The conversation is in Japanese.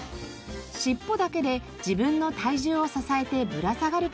尻尾だけで自分の体重を支えてぶら下がる事もできます。